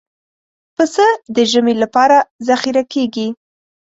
پسه د ژمي لپاره ذخیره کېږي.